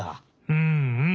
うんうん！